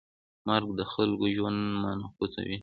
مرکه د خلکو ژوند منعکسوي.